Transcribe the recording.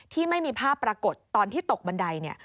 ที่ไม่มีภาพปรากฏตอนที่ตกบันไดเนี่ย